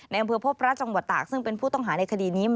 อำเภอพบพระจังหวัดตากซึ่งเป็นผู้ต้องหาในคดีนี้